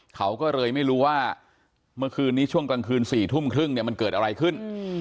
เขาก็เลยไม่รู้ว่าเมื่อคืนนี้ช่วงกลางคืน๔ทุ่มครึ่งเนี่ยมันเกิดอะไรขึ้น